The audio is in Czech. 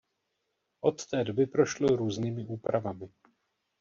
Od té doby prošlo různými úpravami.